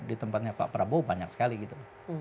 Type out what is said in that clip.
di tempatnya pak prabowo banyak sekali gitu